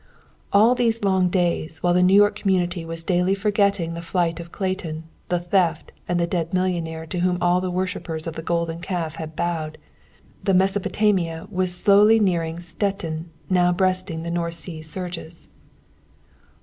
And all these long days, while the New York community was daily forgetting the flight of Clayton, the theft, and the dead millionaire to whom all the worshippers of the Golden Calf had bowed, the "Mesopotamia" was slowly nearing Stettin, now breasting the North Sea surges.